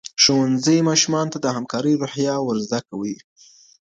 ښوونځي ماشومانو ته د همکارۍ روحیه ورزده کوي.